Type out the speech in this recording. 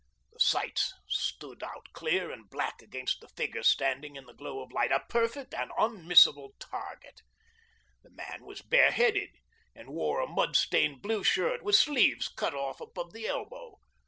The sights stood out clear and black against the figure standing in the glow of light a perfect and unmissable target. The man was bareheaded, and wore a mud stained blue shirt with sleeves cut off above the elbow.